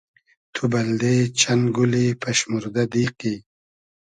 تو بئلدې چئن گولی پئشموردۂ دیقی؟